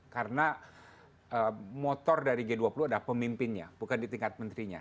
karena motor dari g dua puluh ada pemimpinnya bukan di tingkat menterinya